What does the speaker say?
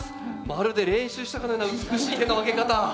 まるで練習したかのような美しい手の挙げ方。